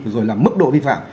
rồi là mức độ vi phạm